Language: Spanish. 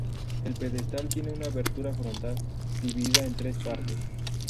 El pedestal tiene una abertura frontal dividida en tres partes.